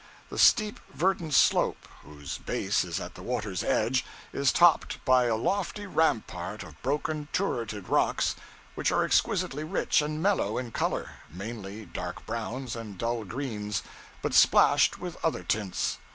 The steep verdant slope, whose base is at the water's edge is topped by a lofty rampart of broken, turreted rocks, which are exquisitely rich and mellow in color mainly dark browns and dull greens, but splashed with other tints.